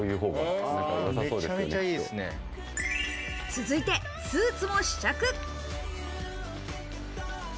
続いてスーツも試着。